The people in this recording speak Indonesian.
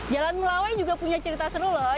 jalan melawai juga punya cerita seru loh